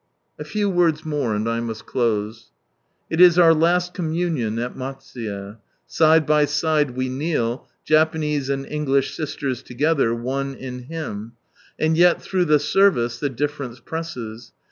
A few words more, and I must close. It is our last Communion at Matsuye. Side by side we kneel, Japanese and English sisters together, one in Him. And yet through the service the difference presses.